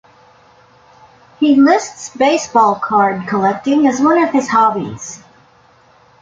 He lists baseball card collecting as one of his hobbies.